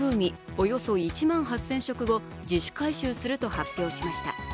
およそ１万８０００食を自主回収すると発表しました。